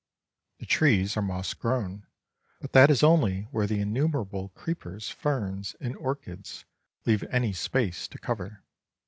The trees are moss grown, but that is only where the innumerable creepers, ferns, and orchids leave any space to cover.